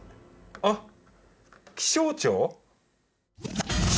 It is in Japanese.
あっ「気象庁」？